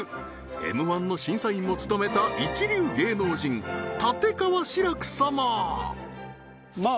Ｍ−１の審査員も務めた一流芸能人立川志らく様まあ